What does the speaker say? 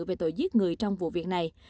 về tội giết người trong vụ việc này